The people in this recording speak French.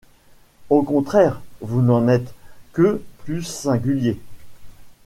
Au contraire, vous n’en êtes que plus singulier.